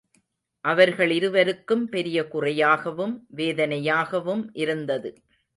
அவர்களிருவருக்கும் பெரிய குறையாகவும் வேதனையாகவும் இருந்தது.